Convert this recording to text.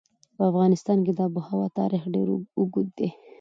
په افغانستان کې د آب وهوا تاریخ ډېر اوږد دی.